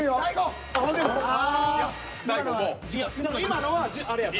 今のはあれや。